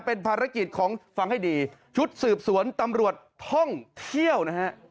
เป็นภารกิจของฟังให้ดีชุดสืบสวนตำรวจท่องเที่ยวนะฮะ